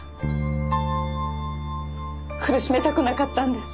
苦しめたくなかったんです。